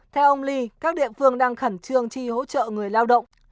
theo ông ly các địa phương đang khẩn trương tri hỗ trợ người lao động